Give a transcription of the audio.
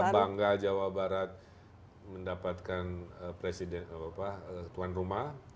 antara bangga jawa barat mendapatkan tuan rumah